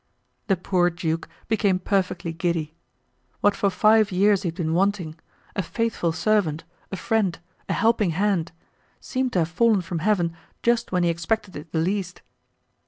The poor duke became perfectly giddy. What for five years he had been wanting—a faithful servant, a friend, a helping hand—seemed to have fallen from Heaven just when he expected it the least.